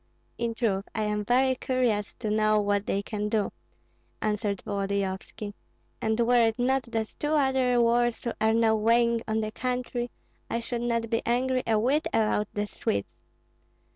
"In truth I am very curious to know what they can do," answered Volodyovski; "and were it not that two other wars are now weighing on the country, I should not be angry a whit about the Swedes.